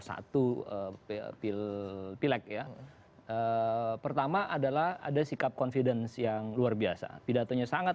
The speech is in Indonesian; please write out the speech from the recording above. satu pil pilek ya pertama adalah ada sikap confidence yang luar biasa pidatonya sangat